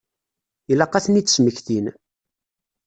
Ilaq ad ten-id-smektin.